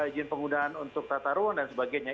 izin penggunaan untuk tata ruang dan sebagainya